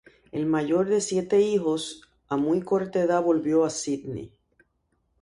El mayor de siete hijos, a muy corta edad volvió a Sídney.